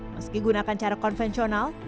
meski menggunakan cara konvensional